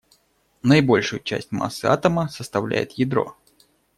Наибольшую часть массы атома составляет ядро.